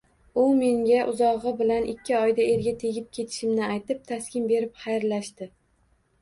U menga uzog`i bilan ikki oyda erga tegib ketishimni aytib, taskin berib xayrlashdi